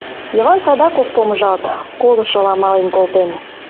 Йыван садак ок помыжалт — колышыла мален колтен.